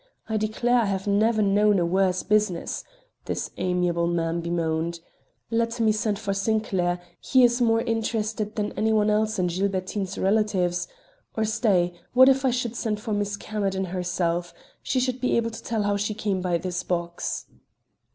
I declare I have never known a worse business," this amiable man bemoaned. "Let me send for Sinclair; he is more interested than any one else in Gilbertine's relatives; or stay, what if I should send for Miss Camerden herself? She should be able to tell how she came by this box."